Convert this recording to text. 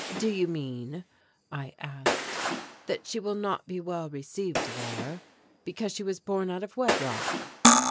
"Do you mean," I asked, "that she will not be well received there because she was born out of wedlock?"